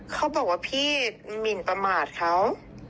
เขาบอกว่าพี่หมินประมาทเขา